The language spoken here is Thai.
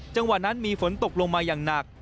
จังหวะนั้นมีฝนตกลงมาอย่างหนัก